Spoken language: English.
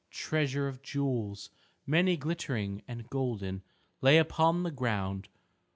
Treasure of jewels, many glittering and golden, lay upon the ground.